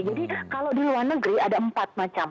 jadi kalau di luar negeri ada empat macam